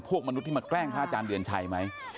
มนุษย์ที่มาแกล้งพระอาจารย์เดือนชัยไหม